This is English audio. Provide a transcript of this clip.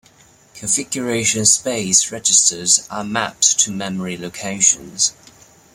Configuration space registers are mapped to memory locations.